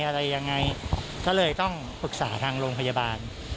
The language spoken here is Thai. อะไรยังไงก็เลยต้องปรึกษาทางโรงพยาบาล